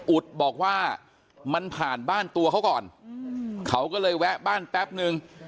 อุดบอกว่ามันผ่านบ้านตัวเขาก่อนเขาก็เลยแวะบ้านแป๊บนึง